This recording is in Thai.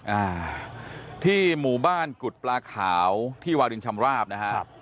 อ่าที่หมู่บ้านกุฎปลาขาวที่วารินชำราบนะฮะครับ